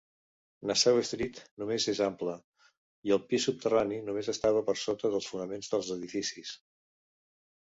Nassau Street només és ample, i el pis subterrani només estava per sota dels fonaments dels edificis.